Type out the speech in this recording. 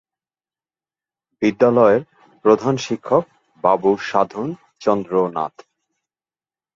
বিদ্যালয়ের প্রধান শিক্ষক বাবু সাধন চন্দ্র নাথ।